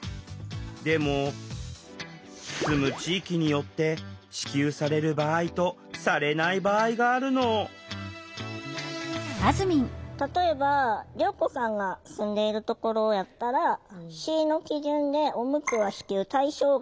でも住む地域によって支給される場合とされない場合があるの例えばりょうこさんが住んでいるところやったら市の基準でおむつは支給対象外で自腹。